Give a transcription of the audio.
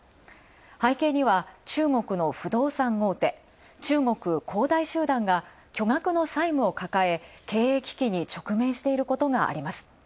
背景には中国の不動産大手、中国恒大集団が巨額の債務を抱え経営危機に直面していることがあります。